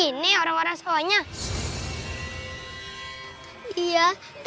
ya kita harus pergi ratsi